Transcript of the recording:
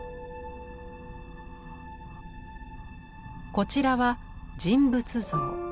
こちらは人物像。